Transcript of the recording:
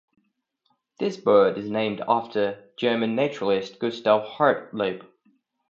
This bird is named after the German naturalist Gustav Hartlaub.